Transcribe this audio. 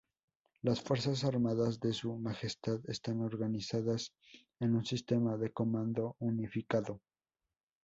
Las Fuerzas Armadas de Su Majestad están organizadas en un sistema de comando unificado.